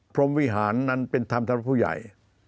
พรมวิหารนั้นเป็นธรรมท่านผู้ใหญ่